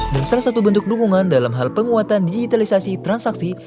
dan salah satu bentuk dukungan dalam hal penguatan digitalisasi transaksi